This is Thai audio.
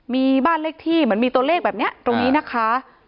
มีบ้านเลขที่เหมือนมีตัวเลขแบบนี้ตรงนี้นะคะ